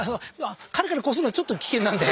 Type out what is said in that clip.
カリカリこすんのはちょっと危険なんで。